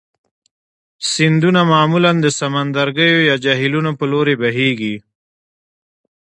سیندونه معمولا د سمندرګیو یا جهیلونو په لوري بهیږي.